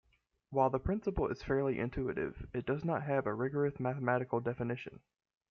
While the principle is fairly intuitive, it does not have a rigorous mathematical definition.